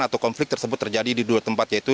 atau konflik tersebut terjadi di dua tempat yaitu